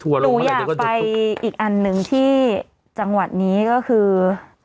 ทัวร์ลงเข้าไปตัวเดี๋ยวตัวอยากไปอีกอันนึงที่จังหวัดนี้ก็คือ